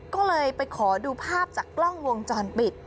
ก็เลยไปขอดูภาพจากกล้องวงจรปิด